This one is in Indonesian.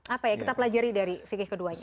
apa ya kita pelajari dari fikih keduanya